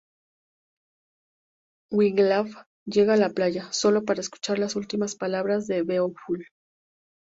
Wiglaf llega a la playa, sólo para escuchar las últimas palabras de Beowulf.